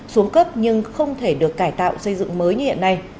xuống cấp nhưng không thể được cải tạo xây dựng mới như hiện nay